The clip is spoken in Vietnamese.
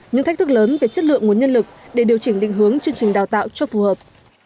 những thách thức lớn về chất lượng nguồn nhân lực để điều chỉnh định hướng chương trình đào tạo cho phù hợp